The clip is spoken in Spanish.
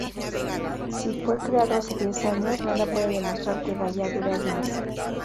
Si fue creado hace diez años, nada puede demostrar que vaya a durar más.